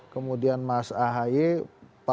kemudian mas ahy pak tito dan pak